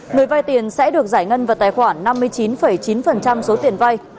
người vai tiền sẽ được giải ngân vào tài khoản năm mươi chín chín số tiền vai